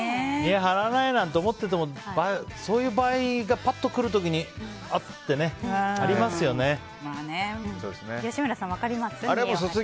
見栄張らないなんて思っていてもそういう場合がぱっと来るときにあっと、ありますよね。